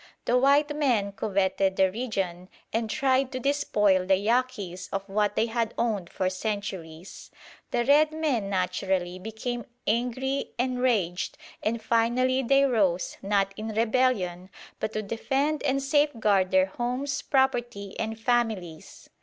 The white men coveted the region and tried to despoil the Yaquis of what they had owned for centuries. The red men naturally became angry, enraged, and finally they rose, not in rebellion, but to defend and safeguard their homes, property, and families.